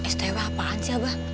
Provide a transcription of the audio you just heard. stw apaan sih abah